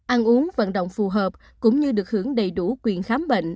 ăn uống vận động phù hợp cũng như được hưởng đầy đủ quyền khám bệnh